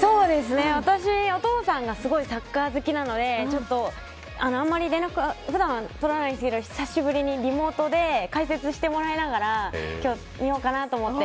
私、お父さんがすごいサッカー好きなのであまり連絡は普段から取らないんですけど久しぶりにリモートで解説してもらいながら今日は見ようかなと思って。